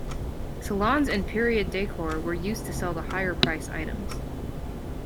Salons in period decor were used to sell the higher-price items.